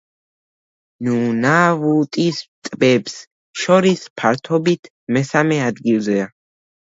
ნუნავუტის ტბებს შორის ფართობით მესამე ადგილზეა.